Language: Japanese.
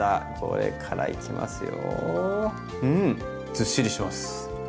ずっしりしてます。